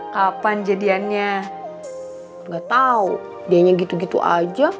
kapan jadiannya nggak tahu dianya gitu gitu aja